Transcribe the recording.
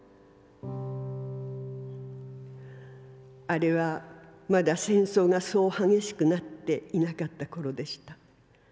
「あれはまだ戦争がそう激しくなっていなかった頃でした。